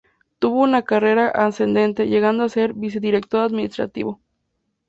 Tuvo una carrera ascendente, llegando a ser Vicedirector administrativo.